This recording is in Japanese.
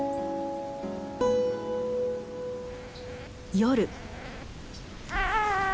夜。